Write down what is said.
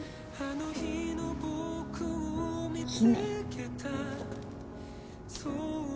姫？